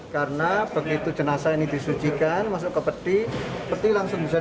karena begitu jenazah ini disucikan masuk ke peti peti langsung bisa dibuat